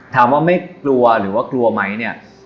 ถามว่าไม่กลัวหรือว่ากลัวไหมเนี่ย